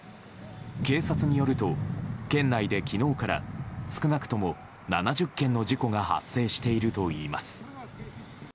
警察によると県内で昨日から少なくとも７０件の事故が発生しているといいます。